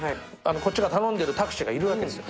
こっちが頼んでいるタクシーがいるんですよ。